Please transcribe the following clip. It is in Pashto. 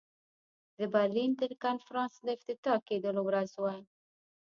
د برلین د کنفرانس د افتتاح کېدلو ورځ وه.